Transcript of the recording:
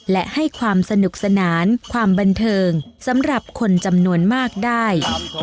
และให้ความสนุกสนานความบันเทิงสำหรับคนจำนวนมากได้